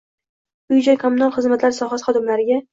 uy-joy kommunal xizmat sohasi xodimlariga